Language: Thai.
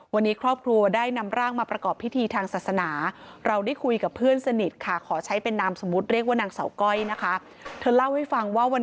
วันนี้ครอบครัวได้นำร่างมาประกอบพิธีทางศาสนา